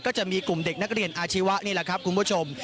ก็จะมีกลุ่มเด็กนักเรียนอาชีวะนี่แหละครับคุณผู้ชม